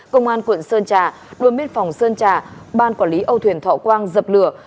công an quận sơn trà đuôn biên phòng sơn trà ban quản lý âu thuyền thọ quang dập lửa